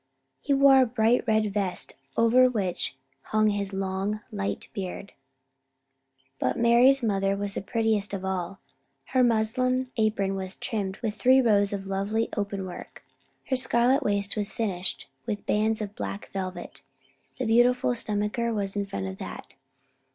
He wore a bright red vest, over which hung his long light beard. But Mari's mother was the prettiest sight of all. Her muslin apron was trimmed with three rows of lovely open work. Her scarlet waist was finished with bands of black velvet, with the beautiful stomacher in front of that.